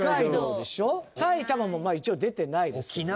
埼玉も一応出てないですよね。